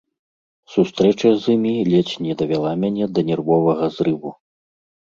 Сустрэча з імі ледзь не давяла мяне да нервовага зрыву.